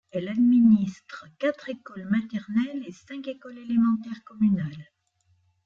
Elle administre quatre écoles maternelles et cinq écoles élémentaires communales.